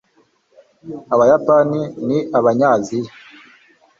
abayapani ni abanyaziya